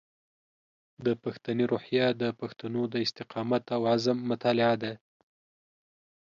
د پښتني روحیه د پښتنو د استقامت او عزم مطالعه ده.